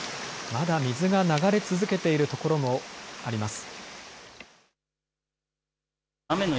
まだ水が流れ続けているところもあります。